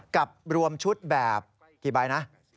กับรวมชุดแบบกี่ใบนะ